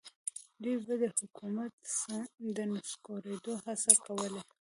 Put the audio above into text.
دوی به د حکومت د نسکورېدو هڅې کولې.